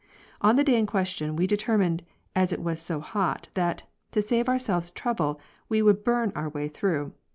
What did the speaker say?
On the day in question we determined, as it was so hot, that, to save ourselves trouble, we would burn our way through.